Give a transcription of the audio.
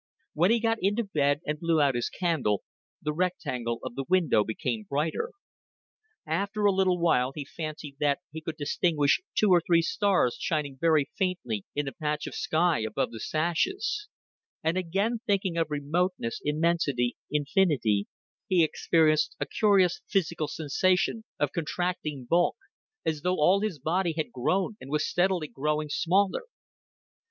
When he got into bed and blew out his candle, the rectangle of the window became brighter. After a little while he fancied that he could distinguish two or three stars shining very faintly in the patch of sky above the sashes; and again thinking of remoteness, immensity, infinity, he experienced a curious physical sensation of contracting bulk, as though all his body had grown and was steadily growing smaller.